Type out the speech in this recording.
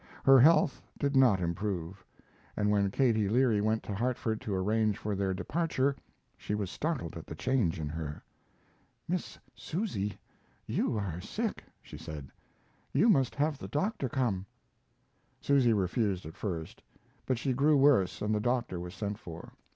Her health did not improve, and when Katie Leary went to Hartford to arrange for their departure she was startled at the change in her. "Miss Susy; you are sick," she said. "You must have the doctor come." Susy refused at first, but she grew worse and the doctor was sent for.